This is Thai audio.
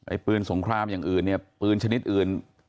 ปืนสงครามอย่างอื่นเนี่ยปืนชนิดอื่น